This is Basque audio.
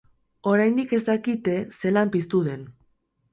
Oraindik ez dakite zelan piztu den.